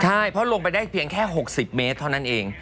ใช่เพราะลงไปได้เพียงแค่๖๐เมตรเท่านั้นเอง